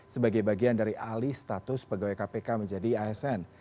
sebagai bagian dari alih status pegawai kpk menjadi asn